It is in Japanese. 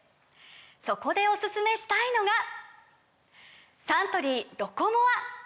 そこでおすすめしたいのがサントリー「ロコモア」！